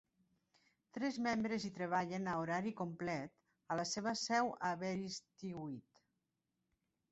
Tres membres hi treballen a horari complet, a la seva seu a Aberystwyth.